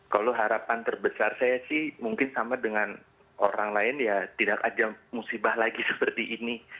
kalau harapan terbesar saya sih mungkin sama dengan orang lain ya tidak ada musibah lagi seperti ini